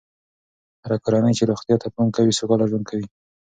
هره کورنۍ چې روغتیا ته پام کوي، سوکاله ژوند کوي.